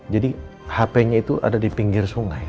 jadi hapenya itu ada di pinggir sungai